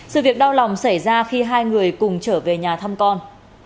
sự việc đau lòng xảy ra khi hai người cùng trở về nhà thăm con